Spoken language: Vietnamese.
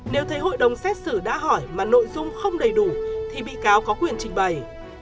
nếu thấy hội đồng xét xử đã hỏi mà nội dung không đầy đủ thì bị cáo có quyền trình bày